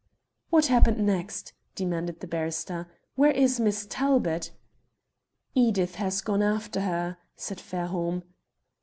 "What happened next?" demanded the barrister. "Where is Miss Talbot?" "Edith has gone after her," said Fairholme.